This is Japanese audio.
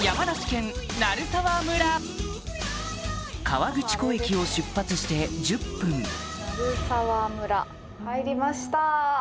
河口湖駅を出発して１０分「鳴沢村」入りました！